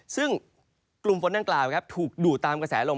ซึ่งกลุ่มฝนดังกล่าวถูกดูดตามกระแสลม